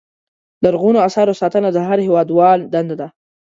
لرغونو اثارو ساتنه د هر هېوادوال دنده ده.